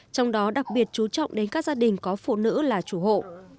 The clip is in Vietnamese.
trong đó đặc biệt chú trọng đến các gia đình có phụ nữ là chủ hộ